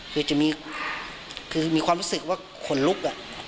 คือจะมีคือมีความรู้สึกว่าขนลุก